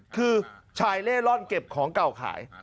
คือชายเล่ร่อนเก็บของเก่าขาย